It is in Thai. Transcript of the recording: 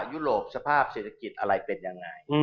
ยุโรปสภาพเศรษฐกิจอะไรเป็นยังไง